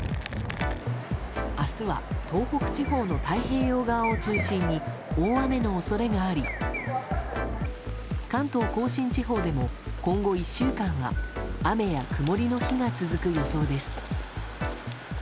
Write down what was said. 明日は東北地方の太平洋側を中心に大雨の恐れがあり関東・甲信地方でも今後１週間は雨や曇りの日が続く予想です。